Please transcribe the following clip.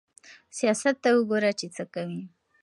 سياست ته وګوره چې څه کوي.